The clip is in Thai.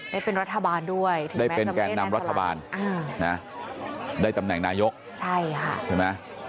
ได้เป็นรัฐบาลด้วยได้เป็นแก่นำรัฐบาลได้ตำแหน่งนายกใช่ค่ะใช่ไหม